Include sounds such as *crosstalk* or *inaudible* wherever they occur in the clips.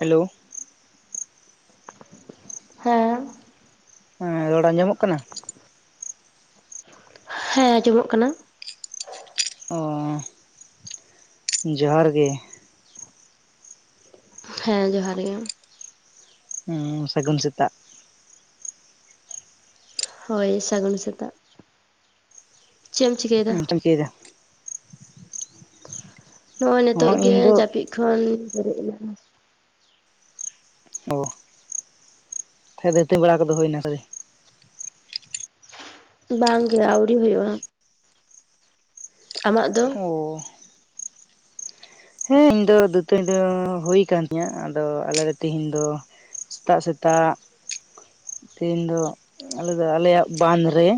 Hello. ᱦᱮᱸ᱾ ᱦᱮᱸ ᱨᱚᱲ ᱟᱸᱡᱚᱢᱚᱜ ᱠᱟᱱᱟ? ᱦᱮᱸ ᱟᱸᱡᱚᱢᱚᱜ ᱠᱟᱱᱟ᱾ ᱚ᱾ ᱡᱚᱦᱟᱨ ᱜᱮ᱾ ᱦᱮᱸ ᱡᱚᱦᱟᱨ ᱜᱮᱢ᱾ ᱦᱩᱸ ᱥᱟᱹᱜᱩᱱ ᱥᱮᱛᱟᱜ᱾ ᱦᱳᱭ ᱥᱟᱜᱩᱱ ᱥᱛᱟᱜ᱾ ᱪᱮᱫ-ᱮᱢ ᱪᱮᱫ ᱪᱤᱠᱟᱹᱭᱫᱟ? ᱮᱢ ᱪᱤᱠᱟᱹᱭᱮᱫᱟ ᱱᱚᱜ-ᱚᱭ ᱱᱤᱛᱚᱜ ᱦᱚᱸ ᱜᱮ ᱤᱧ ᱫᱚ ᱡᱟᱹᱯᱤᱫ ᱠᱷᱚᱱ ᱵᱮᱨᱮᱫ ᱤᱱᱟᱹᱧ᱾ ᱚ᱾ ᱛᱟᱦᱮ ᱫᱟᱹᱛᱤ ᱵᱮᱲᱟ ᱠᱚᱫᱚ ᱦᱩᱭᱱᱟ ᱥᱮ ᱟᱣᱨᱤ? ᱵᱟᱝ ᱜᱮᱮ ᱟᱹᱣᱨᱤ ᱦᱩᱭᱩᱜᱼᱟ᱾ ᱟᱢᱟᱜ ᱫᱚ? ᱚ ᱦᱮᱸ ᱤᱧ ᱫᱚ ᱫᱩᱛᱟᱹᱱᱤ ᱫᱚ ᱦᱩᱭ ᱟᱠᱟᱱ ᱛᱤᱧᱟᱹ ᱟᱫᱚ ᱟᱞᱮ ᱛᱮᱦᱤᱧ ᱫᱚ ᱥᱮᱛᱟᱜ ᱥᱮᱛᱟᱜ ᱛᱤᱦᱤᱧ ᱫᱚ ᱟᱞᱮ ᱫᱚ ᱟᱞᱮᱭᱟᱜ ᱵᱟᱸᱫᱷ ᱨᱮ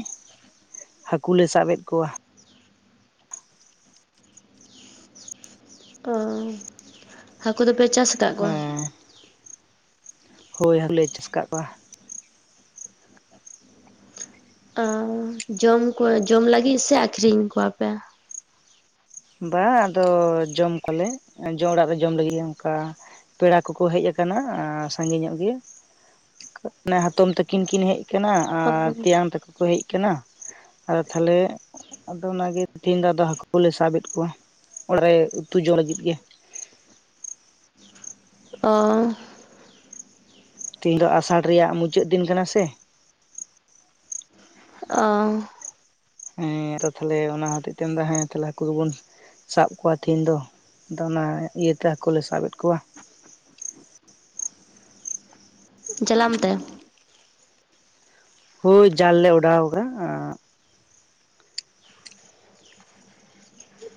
ᱦᱟᱹᱠᱩᱞᱮ ᱥᱟᱵ-ᱮᱫ ᱠᱚᱣᱟ᱾ ᱚ᱾ ᱦᱟᱹᱠᱩ ᱫᱚᱯᱮ ᱪᱟᱥ ᱟᱠᱟᱫ ᱠᱚᱣᱟ ᱦᱮᱸ᱾ ᱦᱳᱭ ᱦᱟᱠᱩ ᱞᱮ ᱪᱟᱥ ᱟᱠᱟᱫ ᱠᱚᱣᱟ᱾ ᱚ ᱡᱚᱢ ᱠᱚᱣᱟ ᱡᱚᱢ ᱞᱟᱹᱜᱤᱫ ᱥᱮ ᱟᱠᱷᱨᱤᱧ ᱠᱚᱣᱟᱯᱮ? ᱵᱟᱝ ᱟᱫᱚ ᱡᱚᱢ ᱠᱚᱣᱟᱞᱮ᱾ ᱡᱚᱢ ᱚᱲᱟᱜ ᱨᱮ ᱡᱚᱢ ᱞᱟᱹᱜᱤᱫ ᱜᱮ ᱚᱱᱠᱟ ᱯᱮᱲᱟ ᱠᱚᱠᱚ ᱦᱮᱡ ᱟᱠᱟᱱᱟ ᱟ ᱥᱟᱸᱜᱮ ᱧᱚᱜ ᱜᱮ᱾ ᱢᱟᱱᱮ ᱦᱟᱛᱚᱢ ᱛᱟᱹᱠᱤᱱ ᱠᱤᱱ ᱦᱮᱡ ᱠᱟᱱᱟ ᱟᱨ ᱛᱮᱭᱟᱝ ᱛᱟᱠᱚ ᱠᱚᱠᱚ ᱠᱚ ᱦᱮᱡ ᱠᱟᱱᱟ᱾ ᱟᱫᱚ ᱛᱟᱦᱚᱞᱮ ᱟᱫᱚ ᱚᱱᱟᱜᱮ ᱛᱮᱦᱤᱧ ᱫᱚ ᱟᱫᱚ ᱦᱟᱹᱠᱩ ᱠᱚᱞᱮ ᱥᱟᱵ-ᱮᱫ ᱠᱚᱣᱟ᱾ ᱚᱲᱟᱜ ᱨᱮ ᱩᱛᱩ ᱡᱚ ᱞᱟᱹᱜᱤᱫ ᱜᱮ᱾ ᱚ᱾ ᱛᱮᱦᱤᱧ ᱫᱚ ᱟᱥᱟᱲ ᱨᱮᱭᱟᱜ ᱢᱩᱪᱟᱹᱫ ᱫᱤᱱ ᱠᱟᱱᱟ ᱥᱮ? ᱚ᱾ ᱦᱮᱸ ᱟᱫᱚ ᱛᱟᱦᱞᱮ ᱚᱱᱟ ᱦᱚᱛᱮᱡ ᱛᱮ ᱢᱮᱱᱫᱟᱭ ᱦᱮᱸ ᱛᱟᱞᱦᱮ ᱦᱟᱠᱩ ᱜᱮᱵᱚᱱ ᱥᱟᱵ ᱠᱚᱣᱟ ᱛᱤᱦᱤᱧ ᱫᱚ ᱟᱫᱚ ᱚᱱᱟ ᱤᱭᱟᱹᱛᱮ ᱦᱟᱹᱠᱩ ᱞᱮ ᱥᱟᱵ ᱮᱫᱽ ᱠᱚᱣᱟ᱾ ᱡᱟᱞᱟᱢ ᱛᱮ᱾ ᱦᱳᱭ ᱡᱟᱞ ᱞᱮ ᱚᱰᱟᱣ ᱠᱟᱫᱟ᱾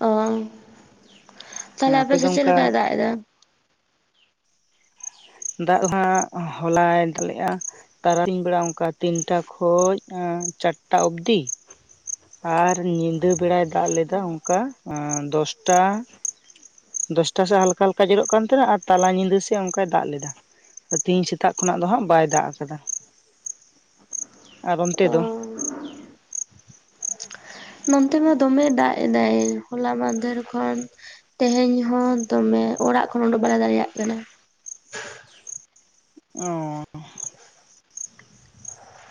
ᱚ ᱛᱟᱦᱞᱮ ᱟᱯᱮ ᱫᱚ ᱥᱮᱫ ᱪᱮᱫ ᱚᱱᱠᱟ ᱞᱮᱠᱟᱭ ᱫᱟᱜ ᱮᱫᱟ? ᱫᱟᱜ ᱫᱚ ᱦᱟᱸᱜ ᱦᱚᱞᱟᱭ ᱫᱟᱜ ᱞᱮᱜᱼᱟ᱾ ᱛᱟᱨᱟᱥᱤᱧ ᱵᱮᱲᱟ ᱚᱱᱠᱟ ᱛᱤᱱᱴᱟ ᱠᱷᱚᱱ ᱪᱟᱨᱴᱟ ᱚᱵᱫᱤ᱾ ᱟᱨ ᱧᱤᱫᱟᱹ ᱵᱮᱲᱟᱭ ᱫᱟᱜ ᱞᱮᱫᱟ ᱚᱱᱠᱟ ᱮᱸ ᱫᱚᱥᱴᱟ ᱫᱚᱥᱴᱟ ᱥᱮᱫ ᱦᱟᱞᱠᱟ ᱦᱟᱞᱠᱟ ᱡᱚᱨᱚᱜ ᱠᱟᱱ ᱛᱟᱦᱮᱱᱟ ᱟᱨ ᱛᱟᱞᱟ ᱧᱤᱫᱟᱹ ᱥᱮᱫ ᱚᱱᱠᱟᱭ ᱫᱟᱜ ᱞᱮᱫᱟ᱾ ᱛᱮᱦᱤᱧ ᱥᱮᱛᱟᱜ ᱠᱷᱚᱱᱟᱜ ᱫᱚ ᱦᱟᱸᱜ ᱵᱟᱭ ᱫᱟᱜ ᱠᱟᱫᱟ᱾ ᱟᱨ ᱚᱱᱛᱮ ᱚ ᱫᱚ? ᱱᱚᱱᱛᱮ ᱢᱟ ᱫᱚᱢᱮ ᱫᱟᱜ ᱮᱫᱟᱭ ᱦᱚᱞᱟ ᱢᱟᱷᱫᱷᱮᱨ ᱠᱷᱚᱱ᱾ ᱛᱮᱦᱮᱧ ᱦᱚᱸ ᱫᱚᱢᱮ ᱚᱲᱟᱜ ᱠᱷᱚᱱ ᱚᱰᱳᱠ ᱵᱟᱞᱮ ᱫᱟᱲᱮᱭᱟᱜ ᱠᱟᱱᱟ᱾ ᱚᱸ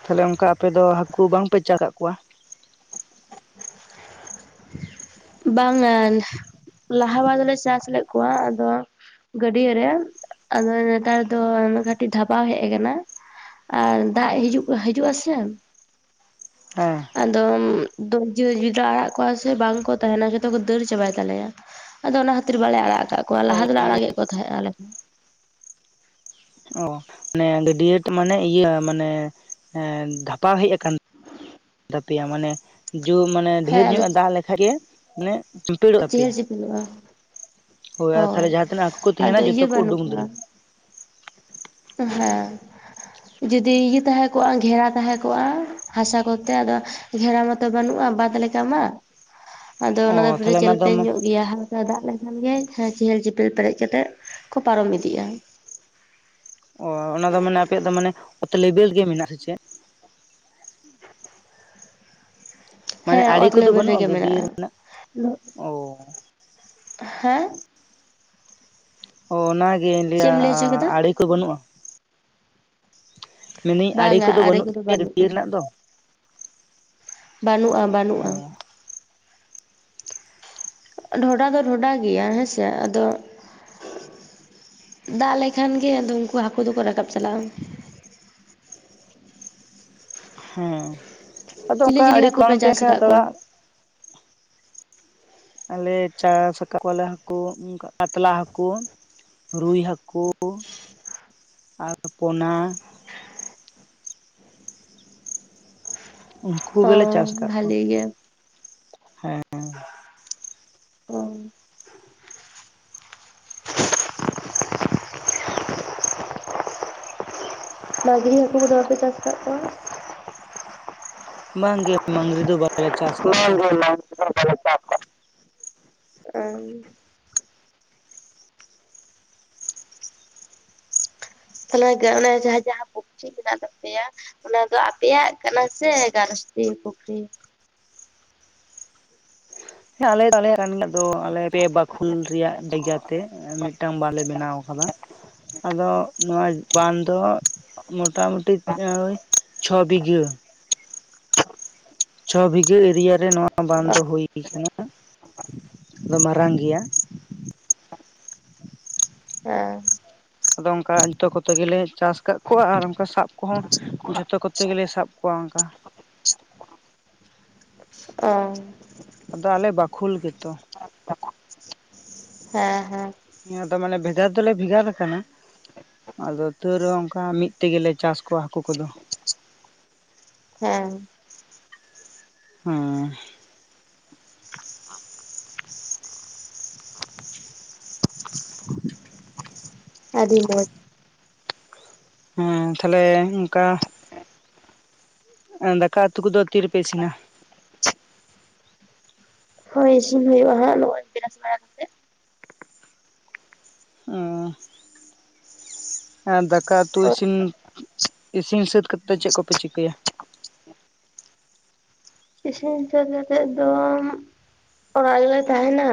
ᱛᱟᱦᱞᱮ ᱚᱱᱠᱟ ᱟᱯᱮ ᱫᱚ ᱦᱟᱹᱠᱩ ᱵᱟᱝᱯᱮ ᱪᱟ ᱠᱟᱜ ᱠᱚᱣᱟ? ᱵᱟᱝᱼᱟ᱾ ᱞᱟᱦᱟ ᱵᱟᱨ ᱫᱚᱞᱮ ᱪᱟᱥ ᱞᱮᱫ ᱠᱚᱣᱟ ᱟᱫᱚ ᱜᱟᱹᱰᱭᱟᱹ ᱨᱮ᱾ ᱟᱫᱚ ᱱᱮᱛᱟᱨ ᱫᱚ ᱠᱟᱹᱴᱤᱡ ᱫᱷᱟᱯᱟᱣ ᱦᱮᱜ ᱠᱟᱱᱟ ᱾ ᱟᱨ ᱫᱟᱜ ᱦᱤᱡᱩᱜ ᱦᱤᱡᱩᱜ ᱟᱥᱮ ᱦᱮᱸ ᱟᱫᱚᱢ ᱡᱩᱫᱤ ᱞᱮ ᱟᱲᱟᱜ ᱠᱚᱣᱟ ᱥᱮ ᱵᱟᱝ ᱠᱚ ᱛᱟᱦᱮᱱᱟ ᱡᱚᱛᱚ ᱠᱚ ᱫᱟᱹᱲ ᱪᱟᱵᱟᱭ ᱛᱟᱞᱮᱭᱟ, ᱟᱫᱚ ᱚᱱᱟ ᱠᱷᱟᱹᱛᱤᱨ ᱵᱟᱞᱮ ᱟᱲᱟᱜ ᱠᱟᱜ ᱠᱚᱣᱟ ᱞᱟᱦᱟ ᱫᱚᱞᱮ ᱟᱲᱟᱜᱮᱜ ᱠᱚ ᱛᱟᱦᱮᱸᱜ ᱟᱞᱮ᱾ ᱦᱚᱸ᱾ ᱚ ᱢᱟᱱᱮ ᱜᱟᱹᱰᱭᱟᱹ ᱢᱟᱱᱮ ᱤᱭᱟᱹ ᱢᱟᱱᱮ ᱫᱷᱟᱯᱟᱣ ᱦᱮᱡ ᱠᱟᱱ ᱛᱟᱯᱮᱭᱟ ᱢᱟᱱᱮ ᱡᱩ ᱢᱟᱱᱮ ᱦᱮᱸ ᱰᱷᱮᱨ ᱟᱫᱚ ᱧᱚᱜ ᱮ ᱫᱟᱜ ᱞᱮᱠᱷᱟᱡ ᱜᱮ ᱢᱟᱱᱮ ᱪᱩᱯᱮᱲᱚᱜ ᱛᱟᱯᱮᱭᱟ᱾ ᱞᱩᱜᱼᱟ, ᱟᱨ ᱛᱟᱦᱚᱞᱮ ᱦᱳᱭ ᱡᱟᱦᱟᱸ ᱛᱤᱱᱟᱹᱜ ᱦᱟᱹᱠᱩ ᱠᱚ ᱟᱫᱚ ᱛᱟᱦᱮᱱᱟ ᱡᱚᱛᱚ ᱤᱭᱟᱹ ᱠᱚ ᱩᱰᱩᱝ ᱵᱟᱹᱱᱩᱜᱼᱟ ᱫᱟᱹᱲᱟ ᱦᱮᱸ ᱡᱩᱫᱤ ᱤᱭᱟᱹ ᱛᱟᱦᱮᱸ ᱠᱚᱜᱼᱟ ᱜᱷᱮᱨᱟ ᱛᱟᱦᱮᱸ ᱠᱚᱜᱼᱟ ᱦᱟᱥᱟ ᱠᱚᱛᱮ ᱟᱫᱚ ᱜᱷᱮᱨᱟ ᱢᱟᱛᱚ ᱵᱟᱹᱱᱩᱜᱼᱟ ᱵᱟᱸᱫ ᱞᱮᱠᱟ ᱢᱟ ᱟᱫᱚ ᱚ ᱚᱱᱟ ᱫᱚ ᱛᱟᱦᱚᱞᱮ ᱯᱩᱨᱟᱹ ᱚᱱᱟ ᱫᱚ ᱪᱮᱞᱯᱮᱧ ᱧᱚᱜ ᱜᱮᱭᱟ ᱦᱟᱞᱠᱟ ᱫᱟᱜ ᱞᱮᱠᱷᱟᱱ ᱜᱮᱭ ᱦᱮᱸ ᱪᱮᱦᱮᱞ ᱪᱮᱯᱮᱞ ᱯᱮᱨᱮᱡ ᱠᱟᱛᱮᱜ ᱠᱚ ᱯᱟᱨᱚᱢ ᱤᱫᱤᱜᱼᱟ᱾ ᱚ ᱚᱱᱟ ᱫᱚ ᱢᱟᱱᱮ ᱟᱯᱮᱭᱟᱜ ᱫᱚ ᱢᱟᱱᱮ ᱚᱛ ᱞᱮᱵᱮᱞ ᱜᱮ ᱢᱮᱱᱟᱜᱼᱟ ᱥᱮ ᱪᱮᱫ? ᱢᱟᱱᱮ ᱦᱮᱸ ᱟᱲᱮ ᱚᱛ ᱠᱚᱫᱚ ᱞᱮᱵᱮᱞ ᱵᱟᱹᱱᱩᱜᱼᱟ ᱨᱮᱜᱮ ᱜᱟᱹᱰᱭᱟᱹ ᱨᱮᱱᱟᱜ ᱚ ᱢᱮᱱᱟᱜᱼᱟ᱾ ᱦᱮᱸ ᱚ ᱚᱱᱟᱜᱮᱧ ᱪᱮᱫ ᱞᱟᱹᱭᱟ ᱮᱢ ᱞᱟᱹᱭ ᱦᱚᱪᱚ ᱠᱮᱫᱟ ᱟᱲᱮ ᱠᱚ ᱵᱟᱹᱱᱩᱜᱼᱟ? ᱢᱮᱱᱫᱟᱹᱧ ᱟᱲᱮ ᱵᱟᱝᱟ ᱠᱚᱫᱚ ᱟᱨᱮ ᱵᱟᱹᱱᱩᱜ ᱛᱟᱞᱮᱭᱟ ᱵᱟᱹᱱᱩᱜᱼᱟ ᱜᱟᱹᱰᱭᱟᱹ ᱨᱮᱱᱟᱜ ᱫᱚ? ᱵᱟᱹᱱᱩᱜᱼᱟ ᱚ ᱵᱟᱹᱱᱩᱜᱼᱟ᱾ ᱰᱷᱚᱰᱟ ᱫᱚ ᱰᱷᱚᱰᱟ ᱜᱮᱭᱟ ᱦᱮᱸ ᱥᱮ ᱟᱫᱚ ᱫᱟᱜ ᱞᱮᱠᱷᱟᱱ ᱜᱮ ᱟᱫᱚ ᱩᱱᱠᱩ ᱦᱟᱹᱠᱩ ᱫᱚᱠᱚ ᱨᱟᱠᱟᱵ ᱪᱟᱞᱟᱜᱼᱟ᱾ ᱦᱮᱸ᱾ ᱟᱫᱚ ᱪᱤᱞᱤ ᱚᱱᱠᱟ ᱪᱤᱞᱤ ᱟᱲᱮ ᱠᱚ ᱦᱟᱹᱠᱩ ᱯᱮ ᱵᱟᱝ ᱛᱟᱦᱮᱸᱱ ᱪᱟᱥ ᱠᱷᱟᱡ ᱟᱠᱟᱫ ᱟᱫᱚ ᱠᱚᱣᱟ ᱫᱟᱹᱲᱟ᱾ ᱟᱞᱮ ᱪᱟᱥ ᱟᱠᱟᱫ ᱠᱚᱣᱟᱞᱮ ᱦᱟᱠᱩ, ᱯᱟᱛᱞᱟ ᱦᱟᱠᱩ᱾ ᱨᱩᱭ ᱦᱟᱠᱩ ᱟᱨ ᱯᱚᱱᱟ᱾ ᱩᱱᱠᱩ ᱚ ᱜᱮᱞᱮ ᱪᱟᱥ ᱠᱟᱜ ᱠᱚᱣᱟ᱾ ᱵᱷᱟᱞᱤ ᱜᱮ ᱦᱮᱸ ᱚ ᱢᱟᱹᱜᱨᱤ ᱦᱟᱠᱩ ᱠᱚᱫᱚ ᱵᱟᱯᱮ ᱪᱟᱥ ᱠᱟᱜ ᱠᱚᱣᱟ? ᱵᱟᱝᱜᱮ, ᱢᱟᱝᱜᱽᱨᱤ ᱫᱚ ᱵᱟᱞᱮ ᱪᱟᱥ ᱠᱟᱜ ᱵᱟᱝ ᱠᱚᱣᱟ᱾ ᱜᱮ ᱵᱟᱝ ᱵᱟᱞᱮ ᱪᱟᱥ ᱠᱟᱜ ᱠᱚᱣᱟ ᱾ ᱦᱩᱸ ᱛᱟᱦᱞᱮ ᱚᱱᱮ ᱡᱟᱦᱟᱸ ᱡᱟᱦᱟᱸ ᱯᱩᱠᱷᱨᱤ ᱢᱮᱱᱟᱜ ᱠᱟᱜ ᱛᱟᱯᱮᱭᱟ ᱚᱱᱟ ᱫᱚ ᱟᱯᱮᱭᱟᱜ ᱠᱟᱱᱟ ᱥᱮ ᱜᱷᱟᱨᱚᱥᱛᱤ ᱯᱩᱠᱷᱨᱤ? ᱦᱮᱸ ᱟᱞᱮ ᱫᱚ ᱟᱞᱮᱭᱟᱜ ᱠᱟᱱ ᱜᱮᱭᱟ ᱟᱫᱚ ᱟᱞᱮ ᱯᱮ ᱵᱟᱠᱷᱳᱞ ᱨᱮᱭᱟᱜ ᱡᱟᱭᱜᱟ ᱛᱮ᱾ ᱢᱤᱜᱴᱟᱝ ᱵᱟᱞᱮ ᱵᱮᱱᱟᱣ ᱠᱟᱫᱟ᱾ ᱟᱫᱚ ᱱᱚᱣᱟ ᱵᱟᱸᱫ ᱫᱚ ᱢᱚᱴᱟᱢᱩᱴᱤ ᱳᱭ ᱪᱷᱚ ᱵᱤᱜᱷᱟᱹ᱾ ᱪᱷᱚ ᱵᱤᱜᱷᱟᱹ ᱮᱨᱤᱭᱟ ᱨᱮ ᱱᱚᱣᱟ ᱵᱟᱸᱫ ᱫᱚ ᱦᱩᱭ ᱠᱟᱱᱟ᱾ ᱫᱚ ᱢᱟᱨᱟᱝ ᱜᱮᱭᱟ᱾ ᱦᱮᱸ᱾ ᱟᱫᱚ ᱚᱱᱠᱟ ᱡᱷᱚᱛᱚ ᱠᱚᱛᱮ ᱜᱮᱞᱮ ᱪᱟᱥ ᱠᱟᱜ ᱠᱚᱣᱟ ᱟᱨ ᱚᱱᱠᱟ ᱥᱟᱵ ᱠᱚᱦᱚᱸ ᱡᱷᱚᱛᱚ ᱠᱚᱛᱮ ᱜᱮᱞᱮ ᱥᱟᱵ ᱠᱚᱣᱟ ᱚᱱᱠᱟ᱾ ᱚ᱾ ᱟᱫᱚ ᱟᱞᱮ ᱵᱟᱠᱷᱳᱞ ᱜᱮᱛᱚ᱾ ᱦᱮᱸ ᱦᱮᱸ᱾ ᱟᱫᱚ ᱢᱟᱱᱮ ᱵᱷᱮᱜᱟᱨ ᱫᱚᱞᱮ ᱵᱷᱮᱜᱟᱨ ᱟᱠᱟᱱᱟ᱾ ᱟᱫᱚ ᱛᱟᱹᱣ ᱨᱮᱦᱚᱸ ᱚᱱᱠᱟ ᱢᱤᱜ ᱛᱮᱜᱮᱞᱮ ᱪᱟᱥ ᱠᱚᱣᱟ ᱦᱟᱠᱳ ᱠᱚᱫᱚ᱾ ᱦᱮᱸ᱾ ᱦᱩᱸ᱾ ᱟᱰᱤ ᱢᱚᱡ᱾ ᱦᱮᱸ ᱛᱟᱦᱞᱮ ᱚᱱᱠᱟ᱾ ᱮᱸ ᱫᱟᱠᱟ ᱩᱛᱩ ᱠᱚᱫᱚ ᱛᱤᱨᱮᱯᱮ ᱤᱥᱤᱱᱟ᱾ ᱦᱳᱭ ᱤᱥᱤᱱ ᱦᱩᱭᱩᱜ-ᱟ ᱦᱟᱸᱜ ᱱᱚ-ᱚᱭ ᱵᱮᱨᱟᱥ ᱵᱟᱲᱟ ᱠᱟᱛᱮᱜ᱾ ᱩᱸ᱾ ᱮᱸ ᱫᱟᱠᱟ ᱩᱛᱩ ᱤᱥᱤᱱ ᱤᱥᱤᱱ ᱥᱟᱹᱛ ᱠᱟᱛᱮ ᱪᱮᱜ ᱠᱚᱯᱮ ᱪᱤᱠᱟᱹᱭᱟ᱾ ᱤᱥᱤᱱ ᱥᱟᱹᱛ ᱠᱟᱛᱮᱫ ᱫᱚ᱾ ᱚᱲᱟᱜ ᱜᱮᱞᱮ ᱛᱟᱦᱮᱱᱟ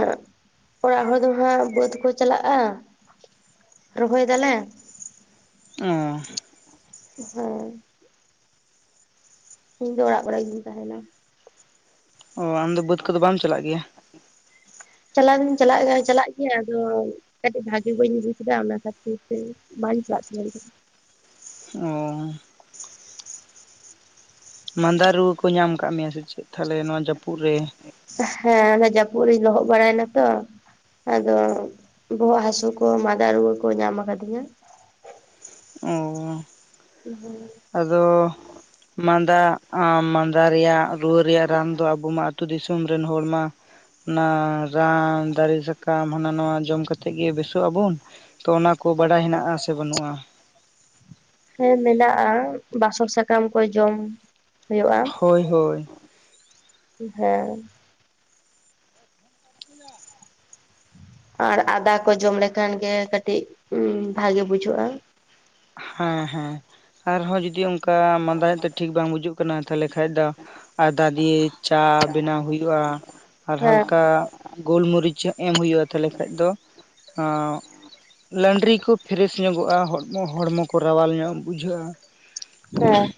ᱚᱲᱟᱜ ᱦᱚᱲ ᱫᱚ ᱦᱟᱸᱜ ᱵᱟᱹᱫᱽ ᱠᱚ ᱪᱟᱞᱟᱜ-ᱟ᱾ ᱨᱚᱦᱚᱭ ᱫᱟᱞᱮ᱾ ᱚ ᱦᱟᱹᱭ᱾ ᱤᱧ ᱫᱚ ᱚᱲᱟᱜ ᱠᱚᱨᱮ ᱜᱤᱧ ᱛᱟᱦᱮᱱᱟ᱾ ᱚ ᱟᱢᱫᱚ ᱵᱟᱹᱫᱽ ᱠᱚᱫᱚ ᱵᱟᱢ ᱪᱟᱞᱟᱜ ᱜᱮᱭᱟ᱾ ᱪᱟᱞᱟᱣ ᱫᱚᱧ ᱪᱟᱞᱟᱜ ᱪᱟᱞᱟᱜ ᱜᱮᱭᱟ ᱟᱫᱚ ᱠᱟᱴᱤᱡ ᱵᱷᱟᱜᱤ ᱵᱟᱹᱧ ᱵᱩᱡᱽ ᱮᱫᱟ ᱚᱱᱟ ᱠᱷᱟᱛᱤᱨ ᱛᱮ᱾ ᱵᱟᱧ ᱪᱟᱞᱟᱜ ᱥᱟᱱᱟᱧ ᱠᱟᱱᱟ᱾ ᱚ᱾ ᱢᱟᱫᱟ ᱨᱩᱣᱟᱹ ᱠᱚ ᱧᱟᱢ ᱠᱟᱜ ᱢᱮᱭᱟ ᱥᱮ ᱪᱮᱜ ᱛᱟᱦᱞᱮ ᱱᱚᱣᱟ ᱡᱟᱯᱩᱜ ᱨᱮ᱾ ᱦᱮᱸ ᱱᱚᱣᱟ ᱡᱟᱯᱩᱜ ᱨᱤᱧ ᱞᱚᱦᱚᱜ ᱵᱟᱲᱟᱭ ᱱᱟᱛᱚ᱾ ᱟᱫᱚ ᱵᱚᱦᱚᱜ ᱦᱟᱥᱩ ᱠᱚ ᱢᱟᱫᱟ ᱨᱩᱣᱟᱹ ᱠᱚ ᱧᱟᱢ ᱟᱠᱟᱫᱤᱧᱟ᱾ ᱚᱻ᱾ *unintelligible* ᱟᱫᱚ᱾ ᱢᱟᱫᱟᱜ ᱟᱢ ᱢᱟᱫᱟ ᱨᱮᱭᱟᱜ ᱨᱩᱣᱟᱹ ᱨᱮᱭᱟᱜ ᱨᱟᱱ ᱫᱚ ᱟᱵᱚ ᱢᱟ ᱟᱛᱩ ᱫᱤᱥᱚᱢ ᱨᱮᱱ ᱦᱚᱲ ᱢᱟ᱾ ᱚᱱᱟ ᱨᱟᱱ ᱫᱟᱨᱤ ᱥᱟᱠᱟᱢ ᱦᱟᱱᱟ ᱱᱚᱣᱟ ᱡᱚᱢ ᱠᱟᱛᱮᱜ ᱜᱮ ᱵᱮᱥᱚᱜ ᱟᱵᱚᱱ᱾ ᱛᱚ ᱚᱱᱟ ᱠᱚ ᱵᱟᱰᱟᱭ ᱦᱮᱱᱟᱜ-ᱟ ᱥᱮ ᱵᱟᱱᱩᱜ-ᱟ᱾ ᱦᱮᱸ ᱢᱮᱱᱟᱜ-ᱟ ᱵᱟᱥᱚᱠ ᱥᱟᱠᱟᱢ ᱠᱚ ᱡᱚᱢ ᱦᱳᱭᱳᱜ-ᱟ᱾ ᱦᱳᱭ ᱦᱳᱭ ᱦᱮᱸ᱾ *unintelligible* ᱟᱨ ᱟᱫᱟ ᱠᱚ ᱡᱚᱢ ᱞᱮᱠᱷᱟᱱ ᱜᱮ ᱠᱟᱴᱤᱜ ᱵᱷᱟᱜᱮ ᱵᱩᱡᱷᱟᱹᱜ-ᱟ᱾ ᱦᱮᱸ ᱦᱮᱸ ᱟᱨᱦᱚᱸ ᱡᱩᱫᱤ ᱚᱱᱠᱟ ᱢᱟᱸᱫᱟ ᱧᱚᱜ ᱛᱮ ᱴᱷᱤᱠ ᱵᱟᱝ ᱵᱩᱡᱩᱜ᱾ ᱠᱟᱱᱟ ᱛᱟᱦᱚᱞᱮ ᱠᱷᱟᱡ ᱫᱚ ᱟᱫᱟ ᱫᱤᱭᱟᱹᱭ᱾ ᱪᱟ ᱵᱮᱱᱟᱣ ᱦᱩᱭᱩᱜ-ᱟ ᱟᱨ ᱦᱮᱸ ᱦᱟᱞᱠᱟ ᱜᱳᱞᱢᱚᱨᱤᱪᱟᱜ᱾ ᱮᱢ ᱦᱩᱭᱩᱜ-ᱟ ᱛᱟᱞᱦᱮ ᱠᱷᱟᱡ ᱫᱚ ᱟ ᱞᱟᱱᱰᱨᱤ ᱠᱚ ᱯᱷᱮᱨᱮᱥ ᱧᱚᱜᱚᱜ-ᱟ᱾ ᱦᱚ ᱦᱚᱲᱢᱚ ᱠᱚ ᱨᱟᱣᱟᱞ ᱧᱚᱜ ᱵᱩᱡᱷᱟᱹᱜ-ᱟ᱾ ᱦᱮᱸ᱾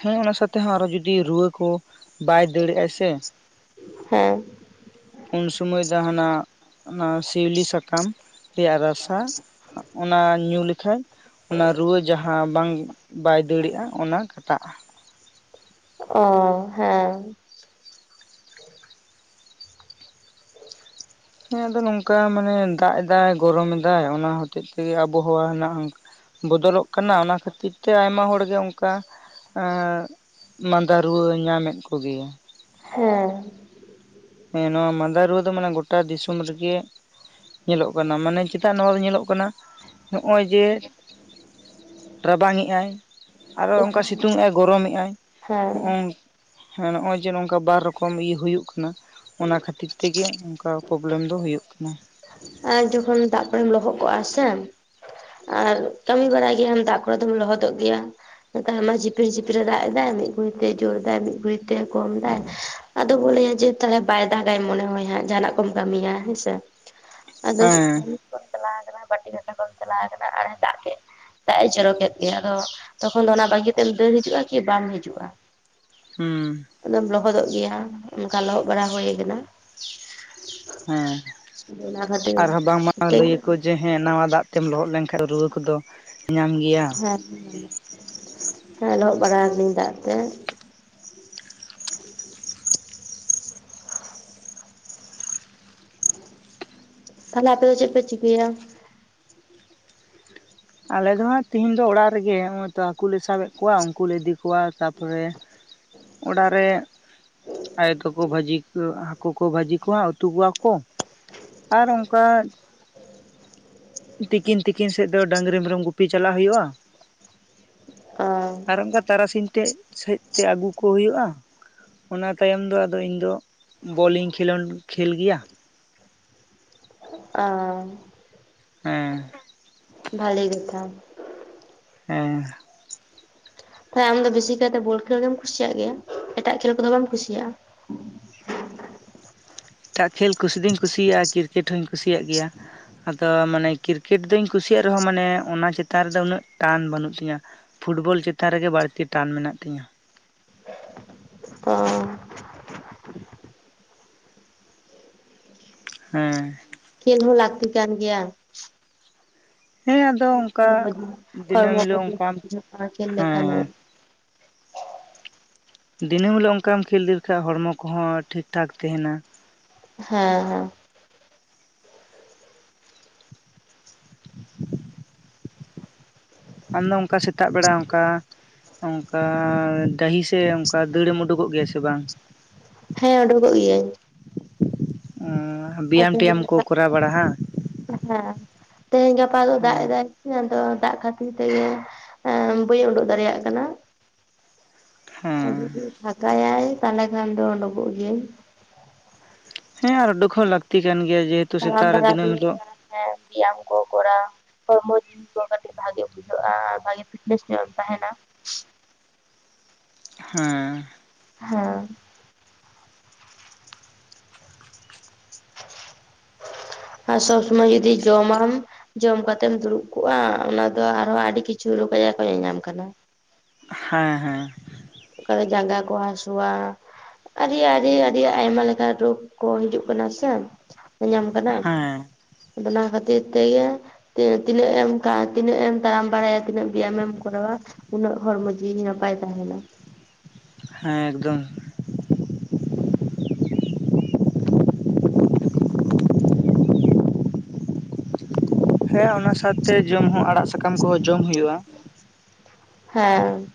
ᱦᱮᱸ ᱚᱱᱟ ᱥᱟᱛᱮ ᱦᱚᱸ ᱟᱨᱚ ᱡᱩᱫᱤ ᱨᱩᱣᱟᱹ ᱠᱚ ᱵᱟᱭ ᱫᱟᱹᱲᱭᱮᱫ-ᱟᱭ ᱥᱮ ᱦᱮᱸ᱾ ᱩᱱᱥᱚᱢᱚᱭ ᱡᱟᱦᱟᱱᱟᱜ ᱚᱱᱟ ᱥᱤᱣᱞᱤ ᱥᱟᱠᱟᱢ ᱨᱮᱭᱟᱜ ᱨᱟᱥᱟ ᱚᱱᱟ ᱚᱱᱟ ᱧᱩ ᱞᱮᱠᱷᱟᱡ ᱚᱱᱟ ᱨᱩᱣᱟᱹ ᱡᱟᱦᱟᱸ ᱵᱟᱝ ᱵᱟᱭ ᱫᱟᱹᱲᱟᱜ-ᱟ ᱚᱱᱟ ᱠᱟᱴᱟᱜ-ᱟ᱾ ᱚ ᱦᱮᱸ᱾ ᱦᱮᱸ ᱟᱫᱚ ᱱᱚᱝᱠᱟ ᱢᱟᱱᱮ ᱫᱟᱜ ᱮᱫᱟᱭ, ᱜᱚᱨᱚᱢᱮᱫᱟᱭ ᱚᱱᱟ ᱦᱚᱛᱮᱡ ᱛᱮᱜᱮ ᱟᱵᱚᱦᱟᱣᱟ ᱦᱮᱱᱟᱜ-ᱟ ᱚᱝᱠᱟ᱾ ᱵᱚᱫᱚᱞᱚᱜ ᱠᱟᱱᱟ ᱚᱱᱟ ᱠᱷᱟᱹᱛᱤᱨ ᱛᱮ ᱟᱭᱢᱟ ᱦᱚᱲᱜᱮ ᱚᱱᱠᱟ ᱮᱸ ᱢᱟᱸᱫᱟ ᱨᱩᱣᱟᱹ ᱧᱟᱢᱮᱫ ᱠᱚ ᱜᱮᱭᱟ᱾ ᱦᱮᱸ᱾ ᱦᱮᱸ ᱱᱚᱣᱟ ᱢᱟᱸᱫᱟ ᱨᱩᱣᱟᱹ ᱫᱚ ᱢᱟᱱᱮ ᱜᱚᱴᱟ ᱫᱤᱥᱚᱢ ᱨᱮᱜᱮ ᱧᱮᱞᱚᱜ ᱠᱟᱱᱟ ᱢᱟᱱᱮ ᱪᱮᱫᱟᱜ ᱱᱚᱣᱟ ᱫᱚ ᱧᱮᱞᱚᱜ ᱠᱟᱱᱟ᱾ ᱱᱚᱜ-ᱚᱭ ᱡᱮ ᱨᱟᱵᱟᱝᱮ-ᱟᱭ ᱟᱨᱚ ᱚᱱᱠᱟ ᱥᱤᱛᱩᱝᱮᱼᱟᱭ, ᱜᱚᱨᱚᱢᱮᱼᱟᱭ ᱦᱮᱸ ᱦᱚ-ᱚᱝ ᱦᱮᱸ ᱱᱚᱜ-ᱚᱭ ᱡᱮ ᱱᱚᱝᱠᱟ ᱵᱟᱨ ᱨᱚᱠᱚᱢ ᱤᱭᱟᱹ ᱦᱩᱭᱩᱜ ᱠᱟᱱᱟ᱾ ᱚᱱᱟ ᱠᱷᱟᱹᱛᱤᱨ ᱛᱮᱜᱮ ᱚᱱᱠᱟ ᱯᱨᱚᱵᱞᱮᱢ ᱫᱚ ᱦᱩᱭᱩᱜ ᱠᱟᱱᱟ᱾ ᱟᱨ ᱡᱚᱠᱷᱚᱱ ᱫᱟᱜ ᱠᱚᱨᱮᱢ ᱞᱚᱦᱚᱫ ᱠᱚᱜ-ᱟ ᱥᱮ᱾ ᱟᱨ ᱠᱟᱹᱢᱤ ᱵᱟᱲᱟᱭ ᱜᱮᱭᱟᱢ ᱫᱟᱜ ᱠᱚᱨᱮ ᱫᱚᱢ ᱞᱚᱦᱚᱫᱚᱜ ᱜᱮᱭᱟ᱾ ᱱᱮᱛᱟᱨ ᱢᱟ ᱡᱷᱤᱯᱤᱨ ᱡᱷᱤᱯᱤᱨ ᱮ ᱫᱟᱜ ᱮᱫᱟᱭ᱾ ᱢᱤᱫ ᱜᱷᱲᱤᱡ ᱛᱮᱭ ᱡᱳᱨ ᱫᱟᱭ, ᱢᱤᱫ ᱜᱷᱲᱤᱡ ᱛᱮ ᱠᱚᱢ ᱫᱟᱭ᱾ ᱟᱫᱚ ᱠᱚ ᱞᱟᱹᱭᱟ ᱡᱮ ᱛᱟᱞᱦᱮ ᱵᱟᱭ ᱫᱟᱜᱟᱭ ᱢᱚᱱᱮ ᱦᱚᱭ ᱦᱟᱸᱜ ᱡᱟᱦᱟᱱᱟᱜ ᱠᱚᱢ ᱠᱟᱹᱢᱤᱭᱟ ᱦᱮᱸᱥᱮ᱾ ᱟᱫᱚ ᱪᱮᱫ ᱦᱮᱸ ᱠᱟᱹᱢᱤ ᱠᱚᱢ ᱪᱟᱞᱟᱣ ᱠᱟᱱᱟ, ᱵᱟᱴᱤ ᱜᱷᱟᱥᱟᱣ ᱠᱚᱢ ᱪᱟᱞᱟᱣ ᱠᱟᱱᱟ ᱟᱨᱮ ᱫᱟᱜ ᱠᱮᱫ᱾ ᱫᱟᱜ ᱮ ᱪᱚᱨᱚ ᱠᱮᱫ ᱜᱮ ᱟᱫᱚ ᱛᱚᱠᱷᱚᱱ ᱫᱚ ᱚᱱᱟ ᱵᱟᱹᱜᱤ ᱠᱟᱛᱮᱢ ᱫᱟᱹᱲ ᱦᱤᱡᱩᱜ-ᱟ ᱠᱤ ᱵᱟᱢ ᱦᱤᱡᱩᱜ-ᱟ᱾ ᱦᱩᱸ᱾ ᱟᱫᱚᱢ ᱞᱚᱦᱚᱫᱚᱜ ᱜᱮᱭᱟᱢ ᱚᱱᱠᱟ ᱞᱚᱦᱚᱫ ᱵᱟᱲᱟ ᱦᱩᱭ ᱠᱟᱱᱟ᱾ ᱦᱮᱸ᱾ ᱚᱱᱟ ᱠᱷᱟᱹᱛᱤᱨ ᱟᱨᱦᱚᱸ ᱵᱟᱝᱢᱟ ᱛᱮ ᱞᱟᱹᱭᱟᱠᱚ ᱡᱮ ᱡᱮ ᱦᱮᱸ ᱱᱟᱣᱟ ᱫᱟᱜ ᱛᱮᱢ ᱞᱚᱦᱚᱫ ᱞᱮᱱᱠᱷᱟᱱ ᱫᱚ ᱨᱩᱣᱟᱹ ᱠᱚᱫᱚ ᱧᱟᱢ ᱜᱮᱭᱟ ᱦᱮᱸ *unintelligible* ᱦᱮᱸ ᱞᱚᱦᱚᱜ ᱵᱟᱲᱟᱣ ᱟᱠᱟᱤᱧ ᱫᱟᱜ ᱛᱮ᱾ ᱛᱟᱦᱚᱞᱮ ᱟᱯᱮ ᱫᱚ ᱪᱮᱫ ᱯᱮ ᱪᱤᱠᱟᱹᱭᱟ? ᱟᱞᱮ ᱫᱚ ᱦᱟᱸᱜ ᱛᱤᱦᱤᱧ ᱫᱚ ᱚᱲᱟᱜ ᱨᱮᱜᱮ ᱦᱚᱸ-ᱚᱭᱵᱛᱚ ᱦᱟᱹᱠᱩ ᱞᱮ ᱥᱟᱵᱮᱫ ᱠᱚᱣᱟ ᱩᱱᱠᱩ ᱞᱮ ᱤᱫᱤ ᱠᱚᱣᱟ ᱛᱟᱯ ᱯᱚᱨᱮ ᱚᱲᱟᱜ ᱨᱮ ᱟᱭᱳᱚᱛᱟᱠᱚ ᱵᱷᱟᱹᱡᱤ ᱠᱚ ᱦᱟᱹᱠᱩ ᱠᱚ ᱵᱷᱟᱹᱡᱤ ᱠᱚᱣᱟ, ᱩᱛᱩ ᱠᱚᱣᱟ ᱠᱚ ᱟᱨ ᱚᱱᱠᱟ ᱛᱤᱠᱤᱱ ᱛᱤᱠᱤᱱ ᱥᱮᱫ ᱫᱚ ᱰᱟᱝᱨᱤ ᱢᱮᱨᱚᱢ ᱜᱩᱯᱤ ᱪᱟᱞᱟᱜ ᱦᱩᱭᱩᱜᱼᱟ᱾ ᱚ ᱟᱨ ᱚᱱᱠᱟ ᱛᱟᱨᱟᱥᱤᱧ ᱛᱮ ᱥᱮᱫ ᱛᱮ ᱟᱹᱜᱩ ᱠᱚ ᱦᱩᱭᱩᱜ-ᱟ᱾ ᱚᱱᱟ ᱛᱟᱭᱚᱢ ᱫᱚ ᱟᱫᱚ ᱤᱧ ᱫᱚ ᱵᱚᱞᱤᱧ ᱠᱷᱮᱞᱳᱱ ᱠᱷᱮᱞ ᱜᱮᱭᱟ᱾ ᱚ᱾ ᱦᱮᱸ᱾ ᱵᱷᱟᱞᱮ ᱠᱟᱛᱷᱟ᱾ ᱦᱮᱸ᱾ ᱛᱟᱦᱚᱞᱮ ᱟᱢ ᱫᱚ ᱵᱮᱥᱤᱠᱟᱭᱛᱮ ᱵᱚᱞ ᱠᱷᱮᱞ ᱜᱮᱢ ᱠᱩᱥᱤᱭᱟᱜ ᱜᱮᱭᱟ, ᱮᱴᱟᱜ ᱠᱷᱮᱞ ᱠᱚᱫᱚ ᱵᱟᱢ ᱠᱩᱥᱤᱭᱟᱜ-ᱟ᱾ ᱮᱴᱟᱜ ᱠᱷᱮᱞ ᱠᱩᱥᱤ ᱫᱩᱧ ᱠᱩᱥᱤᱭᱟᱜ-ᱟ, ᱠᱨᱤᱠᱮᱴ ᱦᱚᱧ ᱠᱩᱥᱤᱭᱟᱜ ᱜᱮᱭᱟ᱾ ᱟᱫ ᱛᱚ ᱢᱟᱱᱮ ᱠᱨᱤᱠᱮᱴ ᱫᱚᱧ ᱠᱩᱥᱤᱭᱟᱜ ᱨᱮᱦᱚᱸ ᱢᱟᱱᱮ ᱚᱱᱟ ᱪᱮᱛᱟᱱ ᱨᱮᱫᱚ ᱩᱱᱟᱹᱜ ᱴᱟᱱ ᱵᱟᱹᱱᱩᱜ ᱛᱤᱧᱟᱹ᱾ ᱯᱷᱩᱴᱵᱚᱞ ᱪᱮᱛᱟᱱ ᱨᱮᱜᱮ ᱵᱟᱹᱲᱛᱤ ᱴᱟᱱ ᱢᱮᱱᱟᱜ ᱛᱤᱧᱟᱹ᱾ ᱚᱻ ᱦᱮᱸ᱾ ᱠᱷᱮᱹᱞ ᱦᱚᱸ ᱞᱟᱹᱠᱛᱤ ᱠᱟᱱ ᱜᱮᱭᱟ᱾ ᱦᱮᱸ ᱟᱫᱚ ᱚᱝᱠᱟ, ᱫᱤᱱᱟᱹᱢ ᱦᱚᱲᱢᱚ ᱠᱚ ᱦᱤᱞᱳᱜ ᱵᱮᱥ ᱚᱝᱠᱟ ᱵᱩᱡᱷᱟᱹᱜᱼᱟ ᱠᱷᱮᱞ ᱞᱮᱠᱷᱟᱱᱮ ᱦᱮᱸ᱾ ᱫᱤᱱᱟᱹᱢ ᱦᱤᱞᱳᱜ ᱚᱝᱠᱟᱢ ᱠᱷᱮᱹᱞ ᱤᱫᱤ ᱞᱮᱠᱷᱟᱡ ᱦᱚᱲᱢᱚ ᱠᱚᱦᱚᱸ ᱴᱷᱤᱠ ᱴᱷᱟᱠ ᱛᱮᱦᱮᱱᱟ᱾ ᱦᱮᱸ ᱦᱮᱸ᱾ ᱟᱢᱫᱚ ᱚᱱᱠᱟ ᱥᱮᱛᱟᱜ ᱵᱮᱲᱟ ᱚᱝᱠᱟ ᱚᱱᱠᱟ ᱰᱟᱹᱦᱤ ᱥᱮ ᱚᱱᱠᱟ ᱫᱟᱹᱲᱮᱢ ᱩᱰᱩᱠᱚᱜ ᱜᱮᱭᱟ ᱥᱮ ᱵᱟᱝ? ᱦᱮᱸ ᱩᱰᱩᱠᱚᱜ ᱜᱤᱭᱟᱹᱧ᱾ ᱩᱸᱻ *unintelligible* ᱦᱮᱸ, ᱛᱮᱦᱮᱧ ᱜᱟᱯᱟ ᱫᱚ ᱫᱟᱜ ᱦᱮᱸ ᱮᱫᱟᱭ᱾ ᱟᱫᱚ ᱫᱟᱜ ᱠᱷᱟᱹᱛᱤᱨ ᱛᱮ ᱮᱸᱻ ᱵᱟᱹᱧ ᱩᱰᱩᱠ ᱫᱟᱲᱮᱭᱟᱜ ᱠᱟᱱᱟ᱾ ᱟᱨ ᱦᱮᱸ ᱡᱩᱫᱤ ᱯᱷᱟᱠᱟᱭᱟᱭ ᱛᱟᱦᱞᱮ ᱠᱷᱟᱱ ᱫᱚ ᱩᱰᱩᱠᱚᱜ ᱜᱤᱭᱟᱹᱧ᱾ ᱦᱮᱸ ᱟᱨ ᱩᱰᱩᱠ ᱦᱚᱸ ᱞᱟᱹᱠᱛᱤ ᱠᱟᱱ ᱜᱮᱭᱟ ᱡᱮ ᱦᱮᱸ ᱟᱨ ᱫᱟᱬᱟᱱ ᱦᱩᱭᱩᱜ ᱛᱟᱸᱦᱮᱱᱟ ᱥᱮ ᱵᱮᱭᱟᱢ ᱠᱚ ᱠᱚᱨᱟᱣ᱾ ᱦᱚᱲᱢᱚ ᱡᱤᱣᱤ ᱠᱚ ᱠᱟᱹᱴᱤᱡ ᱵᱷᱟᱜᱮ ᱵᱩᱡᱷᱟᱹᱜ-ᱟ, ᱵᱷᱟᱜᱮ ᱯᱷᱤᱴᱱᱮᱥ ᱧᱚᱜ ᱮᱢ ᱛᱟᱸᱦᱮᱱᱟ᱾ ᱦᱮᱸ᱾ ᱦᱮᱸ᱾ ᱟᱨ ᱥᱚᱵᱽ ᱥᱚᱢᱚᱭ ᱡᱩᱫᱤ ᱡᱚᱢᱟᱢ ᱡᱚᱢ ᱠᱟᱛᱮᱢ ᱫᱩᱲᱩᱵ ᱠᱚᱜ-ᱟ ᱚᱱᱟ ᱫᱚ ᱟᱨᱦᱚᱸ ᱟᱹᱰᱤ ᱠᱤᱪᱷᱩ ᱨᱳᱜᱽ ᱟᱡᱟᱨ ᱠᱚ ᱧᱟᱧᱟᱢ ᱠᱟᱱᱟ᱾ ᱦᱮᱸ ᱦᱮᱸ᱾ ᱚᱠᱟᱨᱮ ᱡᱟᱸᱜᱟ ᱠᱚ ᱦᱟᱥᱩᱣᱟ᱾ ᱟᱹᱰᱤ ᱟᱹᱰᱤ ᱟᱹᱰᱤ ᱟᱭᱢᱟ ᱞᱮᱠᱟᱱ ᱨᱳᱜᱽ ᱠᱚ ᱦᱤᱡᱩᱜ ᱠᱟᱱᱟ ᱥᱮ, ᱧᱟᱧᱟᱢ ᱠᱟᱱᱟ᱾ ᱦᱮᱸ ᱚᱱᱟ ᱠᱷᱟᱹᱛᱤᱨ ᱛᱮᱜᱮ ᱛᱤ ᱛᱤᱱᱟᱹᱜ ᱮᱢ ᱛᱟ ᱛᱤᱱᱟᱹᱜ ᱮᱢ ᱛᱟᱲᱟᱢ ᱵᱟᱲᱟᱭᱟ ᱛᱤᱱᱟᱹᱜ ᱵᱮᱭᱟᱢᱮᱢ ᱠᱚᱨᱟᱣᱟ ᱩᱱᱟᱹᱜ ᱦᱚᱲᱢᱚ ᱡᱤᱣᱤ ᱱᱟᱯᱟᱭ ᱛᱟᱸᱦᱮᱱᱟ᱾ ᱦᱮᱸ ᱮᱠᱫᱚᱢ᱾ *inaudible* ᱦᱮᱸ ᱚᱱᱟ ᱥᱟᱶᱛᱮ ᱡᱚᱢ ᱦᱚᱸ ᱟᱲᱟᱜ ᱥᱟᱠᱟᱢ ᱠᱚᱦᱚᱸ ᱡᱚᱢ ᱦᱩᱭᱩᱜ-ᱟ᱾ ᱦᱮᱸ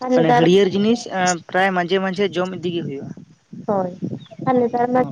ᱟᱨ ᱢᱟᱱᱮ ᱱᱮᱛᱟᱨ ᱦᱟᱹᱲᱭᱟᱹᱨ ᱡᱤᱱᱤᱥ ᱯᱨᱟᱭ ᱢᱟᱡᱷᱮ ᱢᱟᱡᱷᱮ ᱡᱚᱢ ᱤᱫᱤᱜᱮ ᱦᱩᱭᱩᱜ-ᱟ᱾ ᱦᱳᱭ, ᱟᱨ ᱱᱮᱛᱟᱨ ᱢᱟ